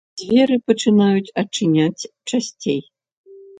Дзверы пачынаюць адчыняць часцей.